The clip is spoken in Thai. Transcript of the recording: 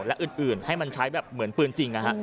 และอื่นให้มันใช้แบบเหมือนปืนจริง